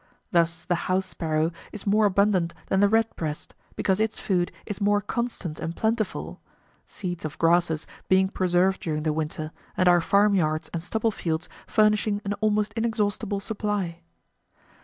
Thus the house sparrow is more abundant than the redbreast, because its food is more constant and plentiful, seeds of grasses being preserved during the winter, and our farm yards and stubble fields furnishing an almost inexhaustible supply.